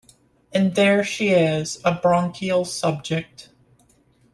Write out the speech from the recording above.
And there she is — a bronchial subject!